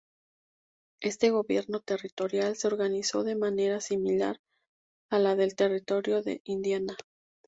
Este gobierno territorial se organizó de manera similar a la del Territorio de Indiana.